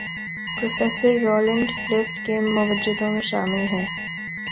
Professor Roland Clift کے موجدوں میں شامل ہیں۔